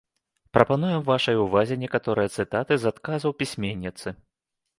Прапануем вашай увазе некаторыя цытаты з адказаў пісьменніцы.